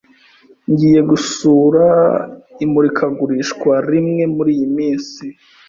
Ngiye gusura imurikagurisha rimwe muriyi minsi.